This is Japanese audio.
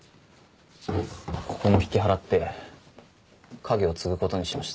ここも引き払って家業継ぐことにしました。